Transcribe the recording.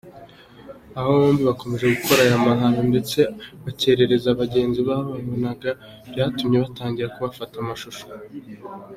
Aba bombi bakomeje gukora aya mahano ndetse bakerereza abagenzi bababonaga byatumye batangira kubafata amashusho.